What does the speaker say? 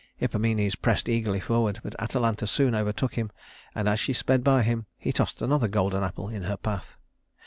Hippomenes pressed eagerly forward, but Atalanta soon overtook him and as she sped by him he tossed another golden apple in her path.